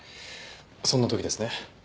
そんな時ですね？